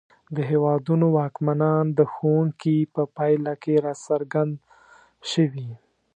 د هېوادونو واکمنان د ښوونکي په پایله کې راڅرګند شوي.